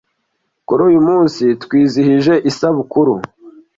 Kuri uyu munsi twizihije isabukuru